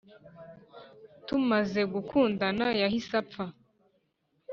tumaze gukundana yahise apfa